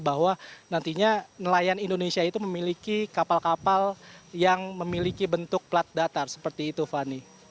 bahwa nantinya nelayan indonesia itu memiliki kapal kapal yang memiliki bentuk plat datar seperti itu fani